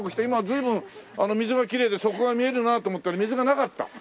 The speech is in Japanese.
今随分水がきれいで底が見えるなと思ったら水がなかった。